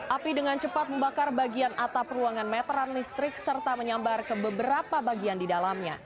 api dengan cepat membakar bagian atap ruangan meteran listrik serta menyambar ke beberapa bagian di dalamnya